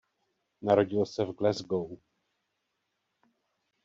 Narodil se v Glasgow.